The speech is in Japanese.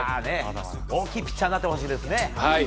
大きいピッチャーになってほしいですね。